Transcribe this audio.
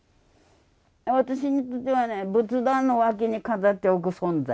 私にとってはね仏壇の脇に飾っておく存在だ。